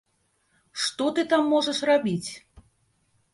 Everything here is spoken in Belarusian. Што ты там можаш рабіць?